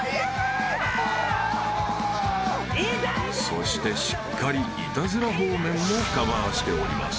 ［そしてしっかりイタズラ方面もカバーしております］